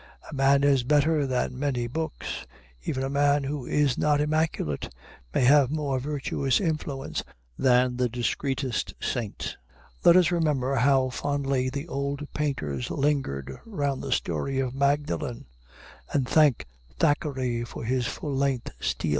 A man is better than many books. Even a man who is not immaculate may have more virtuous influence than the discreetest saint. Let us remember how fondly the old painters lingered round the story of Magdalen, and thank Thackeray for his full length Steele.